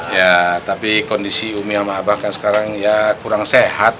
ya tapi kondisi umi sama aba kan sekarang ya kurang sehat